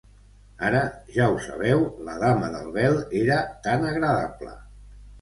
"Ara, ja ho sabeu, la dama del vel era tan agradable!"